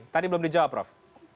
tadi belum dijawab prof